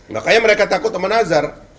gak kayak mereka takut sama nazar